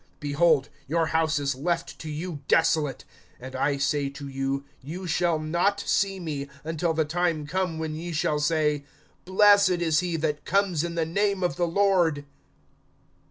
(35)Behold, your house is left to you desolate. And I say to you: Ye shall not see me, until the time come when ye shall say, Blessed is he that comes in the name of the Lord.